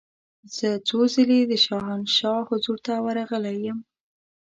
زه څو ځله د شاهنشاه حضور ته ورغلې یم.